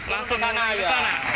langsung ke sana aja